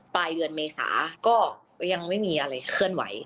ปลายเดือนเมษาก็ยังไม่มีอะไรเคลื่อนไหว